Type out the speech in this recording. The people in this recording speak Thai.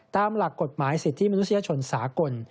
ตามหลักกฎหมายสิทธิมนุษยชนสากล